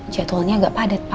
jadwalnya agak padat pak